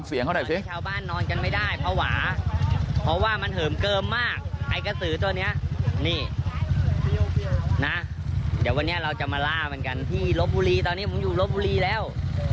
เดี๋ยววันนี้เราจะมาล่ามันกันที่ลบบุรีตอนนี้ผมอยู่ลบบุรีแล้ว